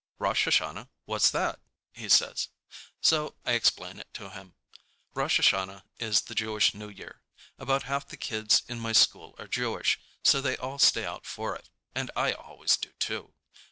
"Rosh Hashanah? What's that?" he says. So I explain to him. Rosh Hashanah is the Jewish New Year. About half the kids in my school are Jewish, so they all stay out for it, and I always do too.